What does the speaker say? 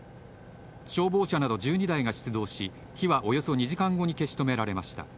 消防車など１２台が出動し、火はおよそ２時間後に消し止められました。